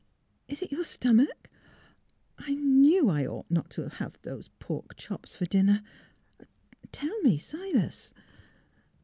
"Is it your stomach? I knew I ought not to have those pork chops for dinner. ... Tell me, Silas?